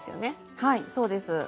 はいそうです。